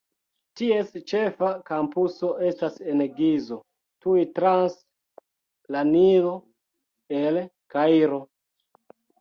Ties ĉefa kampuso estas en Gizo, tuj trans la Nilo el Kairo.